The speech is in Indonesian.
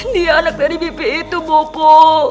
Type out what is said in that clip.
dia anak dari bpi itu bopo